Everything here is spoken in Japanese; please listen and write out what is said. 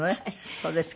そうですか。